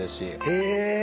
へえ！